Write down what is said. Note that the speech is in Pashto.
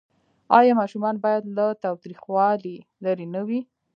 آیا ماشومان باید له تاوتریخوالي لرې نه وي؟